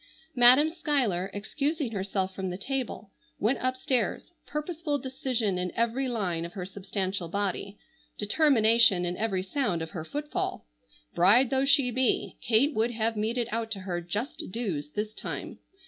Madam Schuyler, excusing herself from the table, went upstairs, purposeful decision in every line of her substantial body, determination in every sound of her footfall. Bride though she be, Kate would have meted out to her just dues this time.